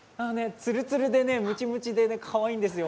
ツルツルでムチムチでかわいいんですよ。